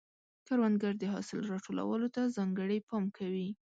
کروندګر د حاصل راټولولو ته ځانګړی پام کوي